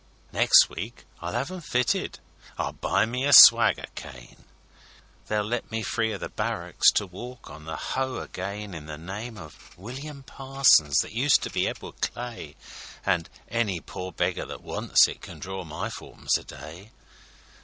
Next week I'll 'ave 'em fitted; I'll buy me a swagger cane; They'll let me free o' the barricks to walk on the Hoe again In the name o' William Parsons, that used to be Edward Clay, An' any pore beggar that wants it can draw my fourpence a day!